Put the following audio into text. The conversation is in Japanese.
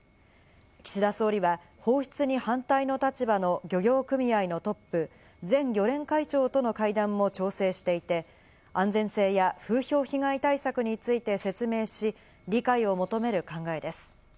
岸田総理は放出に反対の立場の漁業組合のトップ、全漁連会長との会談も調整していて、安全性や風評被害対策について説明し、理解を求める考えです。